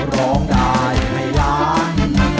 ร้องได้ให้ล้าน